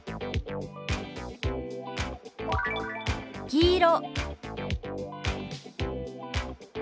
「黄色」。